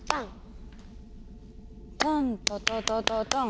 タンタタタタタン。